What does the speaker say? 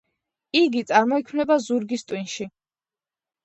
იგი წარმოიქმნება ზურგის ტვინში.